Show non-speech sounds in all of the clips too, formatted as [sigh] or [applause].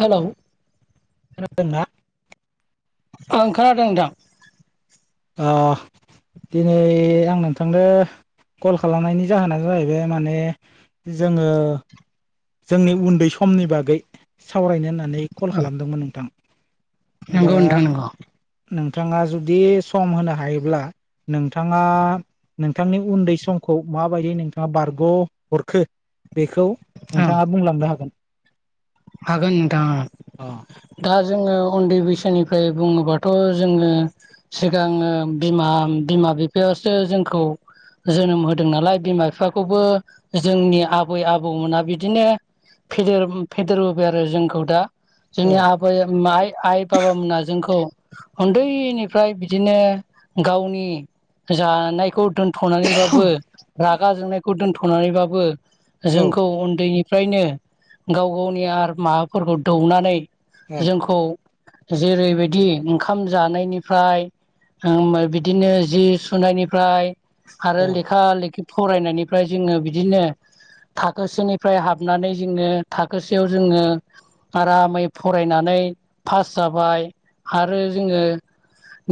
हेल' [inaudible] ओं खोनादों नोंथां अ दिनै आं नोंथांनो कल खालामनायनि जाहोना जाहैबाय माने जोङो जोंनि उन्दै समनि बागै सावरायनो होननानै कल खालामदोंमोन नोंथां दा नांगौ नोथां नांगौ । नोंथाङा जुदि सम होनो हायोब्ला नोंथाङा नोंथांनि उन्दै समखौ माबायदि नोंथाङा बारग' हरखो बेखौ ओं नोंथाङा बुंलांनो हागोन । हागोन नोंथां दा जोङो उन्दै बैसोनिफ्राय बुङोबाथ' जोङो सिगाङो बिमा बि बिफायासो जोंखौ जोनोम होदों नालाय बिमा बिफाखौबो जोंनि आबै आबौमोना बिदिनो फेदेर फेदेरबोबाय आरो जोंखौ दा औ जोंनि आबै माइ आइ बाबामोनाजोंखौ उन्दैनिफ्राय बिदिनो गावनि जानायखौ दोनथ'नानैबाबो रागा जोंनायखौ दोनथ'नानैबाबो औ जोंखौन्दैनि फ्रायनो गाव गावनि आरो माबाफोरखौ दौनानै औ जोंखौ जेरैबायदि ओंखाम जानायनिफ्राय बिदिनो जि सुनायनिफ्राय आरो औ लेखा लि फरायनायनिफ्राय जोङो बिदिनो थाखोसेनिफ्राय हाबनानै जोङो थाखोसेयाव जोङो आरामै फरायनानै पास जाबाय आरो जोङो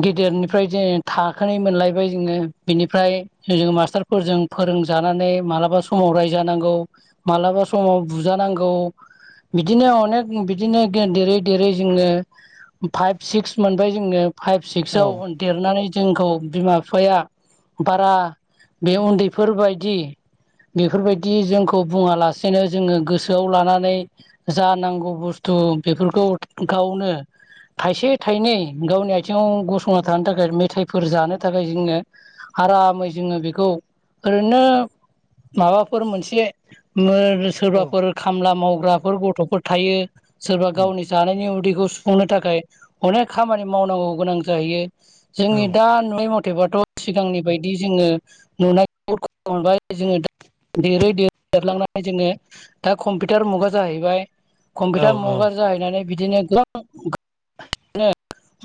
गेदेरनिफ्राय ज थाखोनै मोनलायबाय जोङो बिनिफ्राय जो मास्टारफोरजों फोर फोरोंजानानै मालाबा समाव रायजानांगौ मालाबा समाव बुजानांगौ बिदिनो अनेक बिदिनो देरै देरै जोङो फाइभ सिक्स मोनबाय जोंनो फाइभ औ सिक्सव देरनानै जोंखौ बिमा बिफाया बारा बे उन्दैफोरबायदि बेफोरबायदि जोंखौ बुङालासेनो जोङो गोसो गोसोआव लानानै जा नांगौ बुस्थु बेफोरखौ गावनो थाइसे थाइनै गावनि आथिङाव गसंना थानो थाखाय मेथाइफोर जानो थाखाय जोङो आरामै जोङो बेखौ ओरैनो माबाफोर मोनसे एसे औ सोरबाफोर खामला मावग्राफोर गथ'फोर थायो सोरबा औ गावनि जानायनि उदैखौ सुफुंनो थाखाय अनेक खामानि मावनांगौ गोनां जाहैयो जोंनि दा नै अथेबाथ सिगांनि बायदि जोङो नुनाय बहुद खस्ट मोनबाय जोङो देरै देरै देरलांनानै जोङो दा कम्पिउटार मुगा जाहैबाय औ कम्पिउटार मुगा जाहैनानै बिदिनो गोबां ए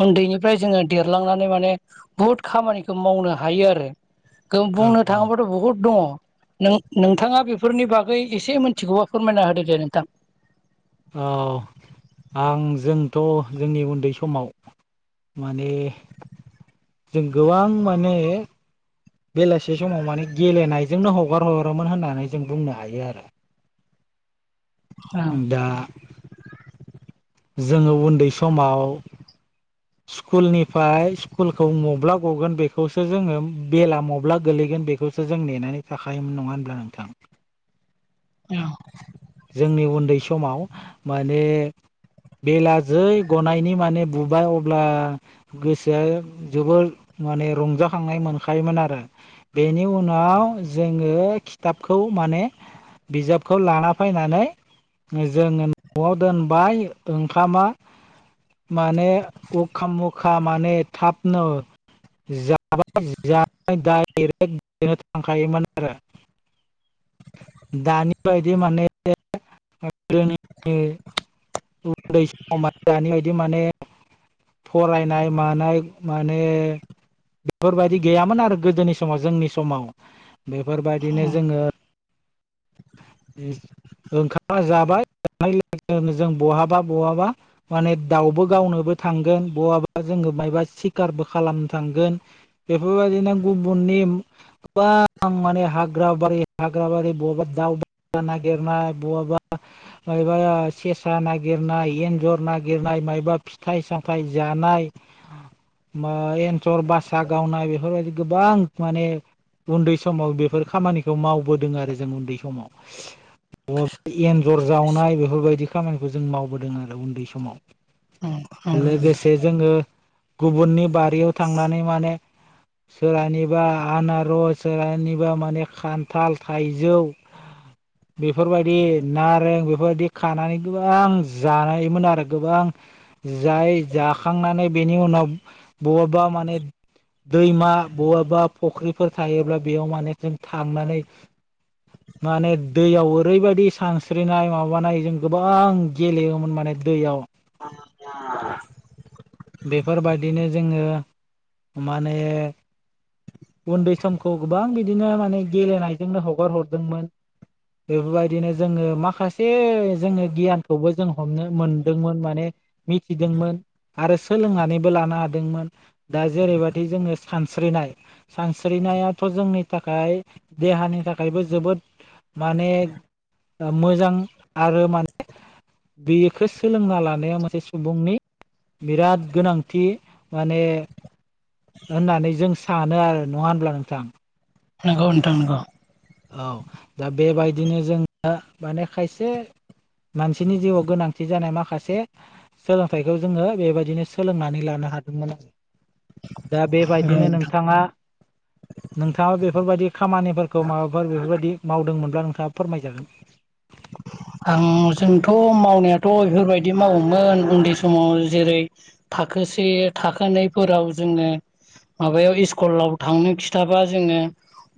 उन्दैनिफ्राय जोङो देरलांनानै माने बुहुद खामानिखौ मावनो हायो आरो औ बुंनो औ थाङोबाथ बहुत दङ नों नोंथाङा बेफोरनि बागै एसे मिथिगौबा फोरमायना होदो दे नोंथां आं जोंथ' जोंनि उन्दै समाव माने जों गोबां माने बेलासि समाव माने गेलेनायजोंनो हगार हरोमोन होननानै जों बुंनो हायो आरो औ दा जोङो उन्दै समाव स्कुलनिफ्राय स्कुलखौ म्ला गगोन बेखौ खौखौसो जोङो बेला मब्ला गोगलैगोन बेखौसो जों नेनानै थाखायायोमोन नङा होनब्ला नोंथां औ जोंनि उन्दै समाव माने बेला जै गनायनि माने बुबाय अब्ला गोसोआ जोबोद माने रंजाखांनाय मोनखायोमोन आरो बेनि उनाव जोङो खिथाबखौ माने बिजाबखौ लाना फैनानै जोङो न'आव दोनबाय ओंखामा माने अखाा मुखा माने थाबनो ज माबा डाइरेक्टनो थांखायोमोन आरो दानि बायदि माने उन्दै सम दानि बायदि माने फरायनाय मानाय माने बेफोरबायदि गैयामोन आरो गोदोनि समाव जोंनि समाव बेफोरबायदिनो जोङो ओंखारा जाबाय जों बहाबा बहाबा माने दाउबो गावनोबो थांगोन बहाबा जों मबा सिखारबो खालामनो थांगोन बेफोरबायदिनो गुबुननि माने हाग्राबारि हाग्राबारि नागिरनाय बहाबा मबा सेसा नागिरनाय एन्जर नागिरनाय नाय मबा फिथाइ साथाय जानाय मा एन्सर बासा गावनाय बेफोरबायदि गोबां माने उन्दै समाव बेफोर खामानिखौ मावबोदों आरो जों उन्दै समाव एन्जर जावनाय बेफोरबायदि खामानिखौ जों मावबोदों आरो उन्दै औ समाव नंगौ नोंथां लोगोसे जोङो गुबुननि बारियाव थांनानै माने सोरानिबा आनारस सोरानिबा माने खान्थाल थाइजौ [unintelligible] बेफोरबायदि नारें बेफोरबायदि खानानै गोबां जानायोमोन आरो गोबां जाय जाखांनानै बेनि उनाव बबबा माने दैमा बहाबा फुख्रिफोर थायोब्ला बेयाव माने जों थांनानै [inaudible] माने दैयाव ओरैबायदि सानस्रिनाय माबानाय जों गोबां गेलेयोमोन माने दैयाव [inaudible] बेफोरबायदिनो जोङो माने उन्दै समखौ गोबां बिदिनो माने गेलेनायजोंनो हगार हरदोंमोन बेफोरबायदिनो जोङो माखासे जोङो गियानखौबो जों हमनो मोनदोंमोन माने मिथिदोंमोन आरो सोलोंनानैबो लानो हादोंमोन दा जेरैबायदि जोङो सानस्रिनो नाय सानस्रिनायाथ' जोंनि थाखाय देहानि थाखायबो जोबोद माने मोजां आरो माने बेखौ सोलोंना लानाया मोनसे सुबुंनि बिराद गोनांथि माने होननानै जों सानो आरो नङा होनब्ला नोंथां नंगौ नोंथां नंगौ औ दा बेबायदिनो जोंहा माने खायसे मानसिनि जिउआव गोनांथि जानाय माखासे सोलोंथाइखौ जोङो बेबायदिनो सोलोंनानै लानाय हादोमोन आरो दा बेबायदिनो नोंथां नोंथाङा नोंथाङा बेफोरबायदि खामानिफोरखौ माबा फोर बेफोरबायदि मावदोंमोनब्ला नोंथाङा फोरमायजागोन आं जोंथ' मावनायाथ' बेफोरबायदि मावोमोन उन्दै समाव जेरै थाखोसे थाखोनैफोराव जोङो माबायाव स्कुलाव थांनो खिथाबा जोङो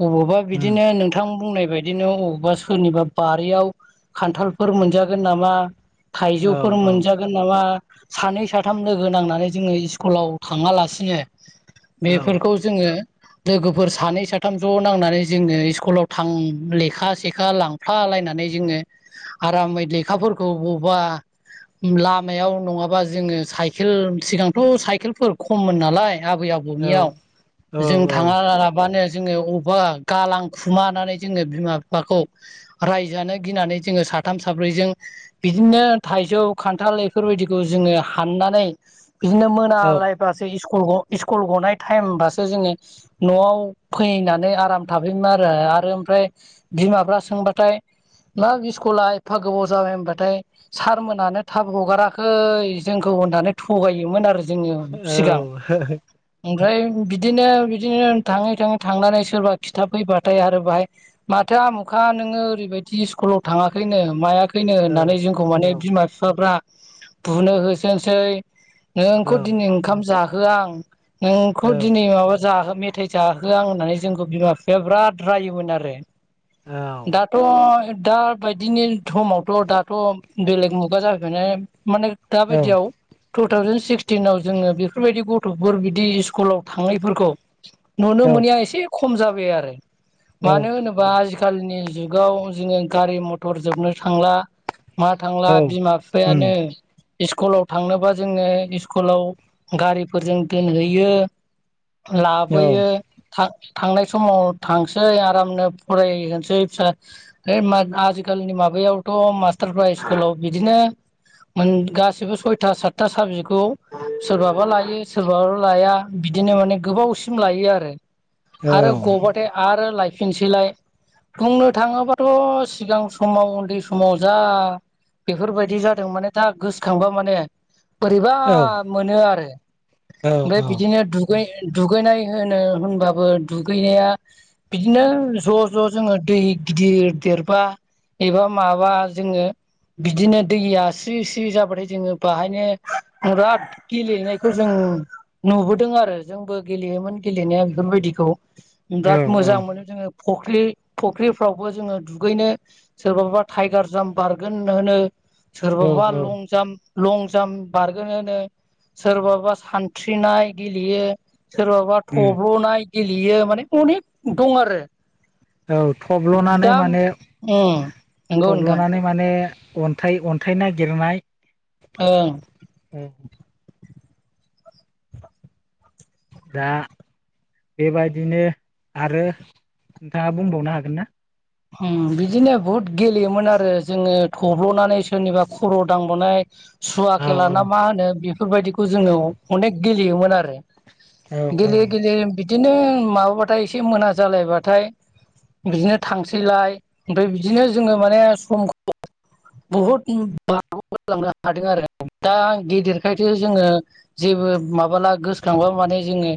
अबावबा उम बिदिनो नोंथां बुंनाय बायदिनो अबावबा सोरनिबा बारियाव खान्थालफोर मोनजागोन नामा औ थाइजौफोर औ मोनजागोन नामा सानै साथाम लोगो नांनानै जोङो स्कुलाव थाङालासिनो औ बेफोरखौ जोङो लोगोफोर सानै साथाम ज' नांनानै जोङो स्कुलाव थां लेखा सेखा लांफा नायनानै जोङो आरामै लेखाफोरखौ बबेबा लामायाव नङाबा जोङो साइखेल सिगांथ' साइखेलफोर खममोन नालाय आबै औ आबौनियाव औ जों औ औ थाङा लाबानो जोङो अबेबा गालांखुमानानै जोङो बिमा बिफाखौ रायजानो गिनानै जोङो साथाम साब्रैजों बिदिनो थाइजौ खान्थाल बेफोरबायदिखौ जोङो हाननानै बिदिनो औ मोनालायबासो स्कु स्कुल स्कुल गनाय टाइमबासो जोङो न'आव फैनानै आराम थाफैयोमोन आरो आरो ओमफ्राय बिमाफ्रा सोंबाथाय मा स्कुला एफा गोबाव जाबाय होनबाथाय सारमोनानो थाब हगाराखै जोंखौ होननानै थु गायोमोन आरो जोङो सिगां ओ ओमफ्राय बिदिनो बिदिनो थाङै थाङै थांनानै सोरबा खिथा फैबाथाय आरो बाहाय माथो आमोखा नोङो ओरैबायदि स्कुलाव थाङाखैनो मायाखैनो होननानै जोंखौ औ माने बिमा बिफाफ्रा बुनो होसोनोसै नोंखौ दिनै ओंखाम जाहोया आं नोंखौ औ दिनै माबा जाहो मेथाइ जाहो आं होननानै जोंखौ बिमा बिफाया बिराद रायोमोन आरो दाथ' दा बायदिनि समावथ' दाथ' बेलेग मुगा जाफैबायनाय माने औ दाबायदियाव तु थावजेन सिक्सटिनाव जोङो बेफोरबायदि गथ'फोर बिदि स्कुलाव थाङैफोरखौ नुनो मोनैया एसे खम जाबाय आरो मानो औ होनोबा आजिखालिनि जुगाव जोङो गारि मथर जोबनो थांला मा थांला औ बिमा उम बिफायानो स्कुलाव थांनोबा जोङो स्कुलाव गारिफोरजों दोनहैयो औ लाबोयो थां थांनाय समाव थांसै आरामनो फरायहोनोसै फिसा है आथिखालनि माबायावथ' मास्टारफ्रा स्कुलाव बिदिनो गासिबो सयथा सातथा साबजेतखौ सोरबाबा लायो सोरबाबा लाया बिदिनो माने गोबावसिम लायो आरो औ आरो औ गबाथाय आरो लायो। फिनसैलाय बुंनो थाङोबाथ' सिगां समाव उन्दै समाव जा बेफोरबायदि जादों माने दा गोसोखांबा माने बोरैबा मोनो आरो ओमफ्राय औ बिदिनो दुु दुगैनाय होनो होनबाबो दुगैनाया बिदिनो ज'-ज' जोङो दै गिदिर देरबा एबा माबा जोङो बिदिनो दैया स्रि स्रि जाबाथाय जोङो बाहायनो बिराद गेलेनायखौ जों नुबोदों आरो जोंबो गेलेयोमोन गेलेनाया बेफोरबायदिखौ औ बिराद मोजां मोनो जोङो फख्रि फख्रिफ्रावबो जोङो दुगैनो सोरबाबा टाइगार जाम्प बारगोन होनो, औ सोरबाबा लं जाम्प, लं जाम्प बारगोन होनो सोरबाबा सानथ्रिनाय गेलेयो। सोरबाबा थब्ल'नाय गेलेयो माने अनेक दं आरो। औ थब्ल'नानै माने अ नांगौ नोंथां। बे अन्थाइ अन्थाइ नागिरनाय ओं दा बेबायदिनो आरो नोंथाङा बुंबावनो हागोन ना? उम बिदिनो बहुद गेलेयोमोन आरो जोङो थब्ल'नानै सोरनिबा खर' दांबोनाय सुवा औ खेला औ ना मा होनो बेफोरबायदिखौ जोङो अनेक गेलेयोमोन आरो। औ गेले गेले बि बिदिनो माबाबाथाय एसे मोना जालायबाथाय बिदिनो थांसैलाय ओमफ्राय बिदिनो जोङो माने समखौ बहुद बार ग' लांनो हादों आरो दा गेदेरखायसो जोङो जेबो माबाला गोसोखांबा मान जोंङो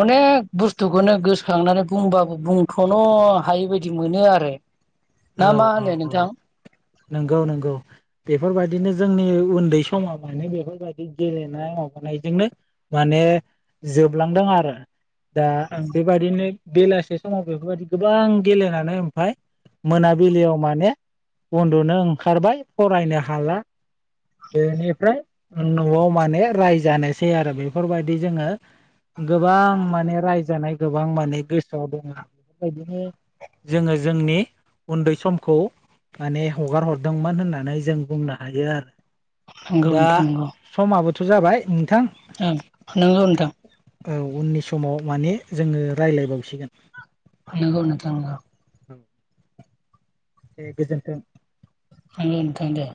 अनेक बुस्थुखौनो गोसोखांनानै बुंबाबो बुंख'नो हायैबादि बिदि मोनो आरो ना मा होनो नोंथां? नोंगौ नोंगौ बेफोरबायदिनो जोंनि उन्दै समाव माने बेफोरबायदि गेलेनायाव मानायजोंनो माने जोबलांदों आरो दा बेबायदिनो बेलासे समाव बेफोरबायदि गोबां गेलेनानै ओमफाय मोनाबिलियाव माने उन्दुनो ओंखारबाय फरायनो हाला बेनिफ्राय न'आव माने रायजानोसै आरो बेफोरबायदि जोङो गोबां माने रायजानाय गोबां माने गोसोआव दङ आरो बेफोरबायदिनो जोङो जोंनि उन्दै समखौ माने हगार हरदोंमोन होननानै जों बुंनो हायो आरो। नोंगौ नोंथां नंगौ थ' जाबाय नोंथां औ नोंगौ‌ नोंथां औ उननि समाव माने जोङो रायलायबावसिगोन। नंगौ नोंथां औ [inaudible] दे गोजोन्थों। हायो नोंथां दे।